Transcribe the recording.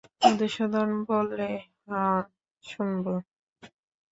মধুসূদন বললে, হাঁ শুনব।